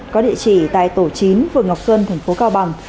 có địa chỉ tại tổ chín phường ngọc xuân thành phố cao bằng